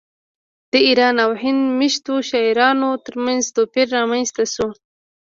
د ایران او هند میشتو شاعرانو ترمنځ توپیر رامنځته شو